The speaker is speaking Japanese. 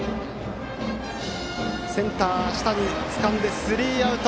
センター、足谷がつかんでスリーアウト。